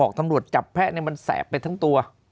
แต่บอกตำรวจจับแพ้นี่มันแสบไปทั้งตัว